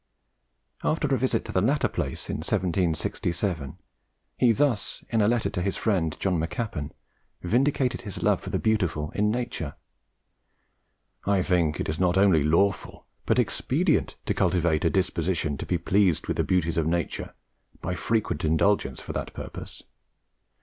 After a visit to the latter place in 1767, he thus, in a letter to his friend John Maccappen, vindicated his love for the beautiful in nature: "I think it not only lawful but expedient to cultivate a disposition to be pleased with the beauties of nature, by frequent indulgences for that purpose.